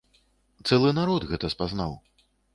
Цэлы народ гэта спазнаў.